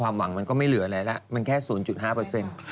หวังมันก็ไม่เหลืออะไรแล้วมันแค่๐๕เปอร์เซ็นต์